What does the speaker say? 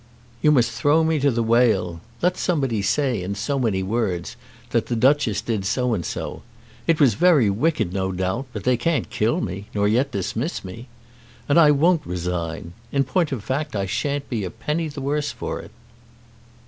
"You must throw me to the whale. Let somebody say in so many words that the Duchess did so and so. It was very wicked no doubt; but they can't kill me, nor yet dismiss me. And I won't resign. In point of fact I shan't be a penny the worse for it."